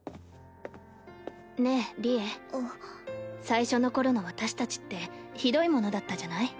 最初の頃の私たちってひどいものだったじゃない？